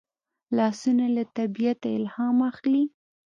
لاسونه له طبیعته الهام اخلي